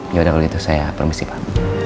yaudah kalau gitu saya permisi pak